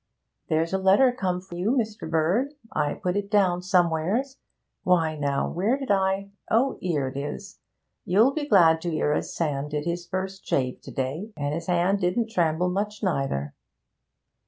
'There's a letter come for you, Mr. Bird. I put it down somewheres why, now, where did I ? Oh, 'ere it is. You'll be glad to 'ear as Sam did his first shave to day, an' his 'and didn't tremble much neither.'